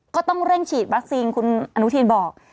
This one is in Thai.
ก็ต้องเร่งฉีดวัคซีนคุณอนุทินบอก